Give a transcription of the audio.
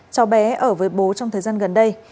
cháu bé ở với bố trong thời gian gần đây